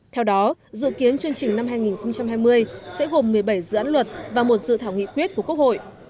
theo đó dự kiến chương trình năm hai nghìn hai mươi sẽ gồm một mươi bảy dự án luật và một dự thảo nghị quyết của quốc hội